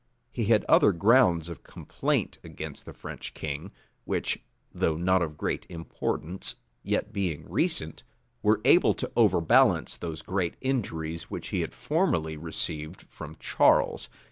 He had other grounds of complaint against the French king; which, though not of great importance, yet being recent, were able to overbalance those great injuries which he had formerly received from Charles.